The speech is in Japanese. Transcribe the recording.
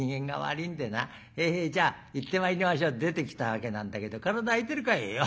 『へえへえじゃあ行ってまいりましょう』って出てきたわけなんだけど体空いてるかい？」。